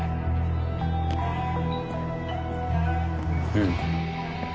うん。